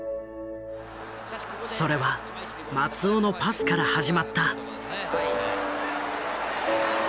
それは松尾のパスから始まった。